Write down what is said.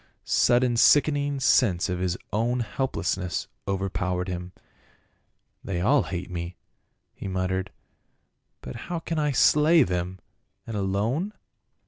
199 den sickening sense of his own helplessness overpow ered him. " They all hate me," he muttered, " but how can I slay them, and alone